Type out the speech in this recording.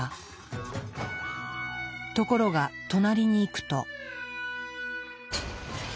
ところが隣に行くと。